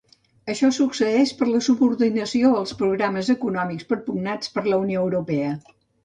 Això succeïx per la subordinació als programes econòmics propugnats per la Unió Europea.